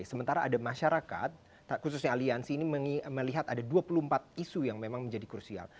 sementara ada masyarakat khususnya aliansi ini melihat ada dua puluh empat isu yang memang menjadi krusial